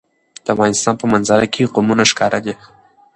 د افغانستان په منظره کې قومونه ښکاره ده.